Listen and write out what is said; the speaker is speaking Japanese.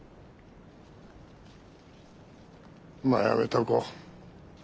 まあやめとこう。